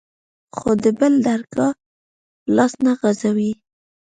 خو د بل درګا ته به لاس نه غځوې.